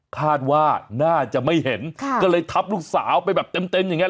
คาดว่าน่าจะไม่เห็นก็เลยทับลูกสาวไปแบบเต็มอย่างเงี